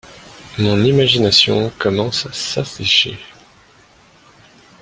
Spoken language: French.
Mon imagination commence à s'assécher